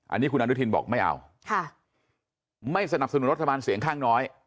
อันนี้คุณอนุทินบอกไม่เอาค่ะไม่สนับสนุนรัฐบาลเสียงข้างน้อย